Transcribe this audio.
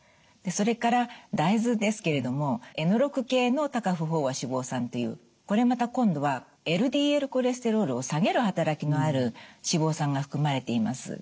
でそれから大豆ですけれどもｎ−６系の多価不飽和脂肪酸っていうこれまた今度はＬＤＬコレステロールを下げる働きのある脂肪酸が含まれています。